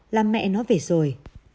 là mẹ nó về rồi